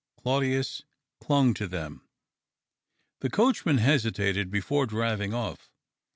Claudius clung to them. The coachman hesitated before driving off.